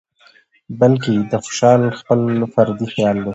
بلکې د خوشال خپل فردي خيال دى